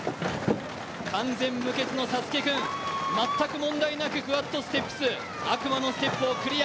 完全無欠のサスケくん、全く問題なくクワッドステップス、悪魔のステップをクリア。